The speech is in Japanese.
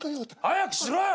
早くしろよ！